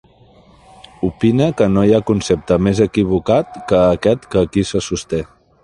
Opine que no hi ha concepte més equivocat que aquest que aquí se sosté.